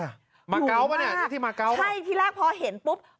หลูมากใช่ที่มาเก๊าะเหมือนเปล่าใช่ที่แรกพอเห็นปุ๊บก็รู้ใก็รู้